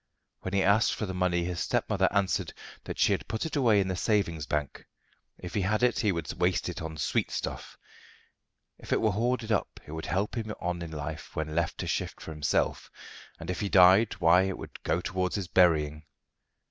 When he asked for the money, his stepmother answered that she had put it away in the savings bank. If he had it he would waste it on sweetstuff; if it were hoarded up it would help him on in life when left to shift for himself; and if he died, why it would go towards his burying.